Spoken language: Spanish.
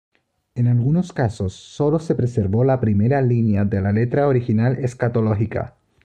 En algunos casos, solo se preservó la primera línea de la letra original escatológica.